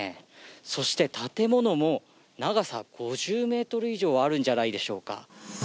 そして建物も長さ５０ｍ以上あるんじゃないでしょうか。